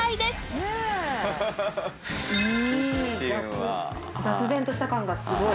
いい雑然とした感がすごい。